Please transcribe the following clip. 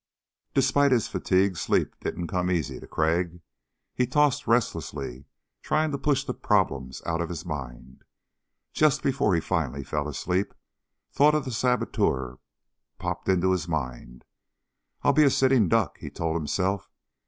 Despite his fatigue sleep didn't come easy to Crag. He tossed restlessly, trying to push the problems out of his mind. Just before he finally fell asleep thought of the saboteur popped into his mind. I'll be a sitting duck, he told himself.